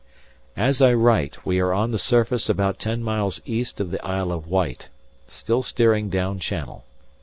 ] As I write we are on the surface about ten miles east of the Isle of Wight, still steering down channel.